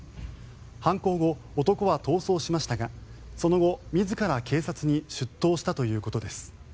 犯行後、男は逃走しましたがその後、自ら警察に出頭したということです。